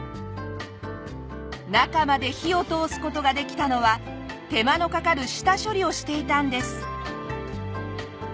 中まで火を通す事ができたのは手間のかかる下処理をしていたんです。